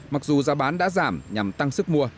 mặc dù giá bán đã giảm nhằm tăng sức mua